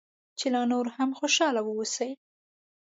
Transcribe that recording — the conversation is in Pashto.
چې لا نور هم خوشاله واوسې.